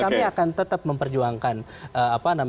kita akan tetap memperjuangkan